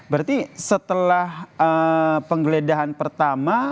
berarti setelah penggeledahan pertama